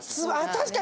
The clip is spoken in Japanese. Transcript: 確かに。